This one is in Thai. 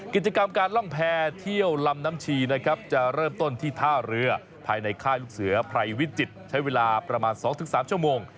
กิจกรรมการล่องแพรเที่ยวลำน้ำชีนะครับจะเริ่มต้นที่ท่าเรือภายในค่ายลูกเสือไพรวิจิตรใช้เวลาประมาณ๒๓ชั่วโมง